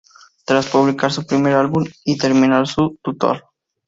Tras publicar su primer álbum y terminar su tour.